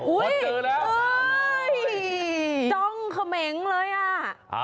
อุ้ยจ้องเขมงเลยอ่ะ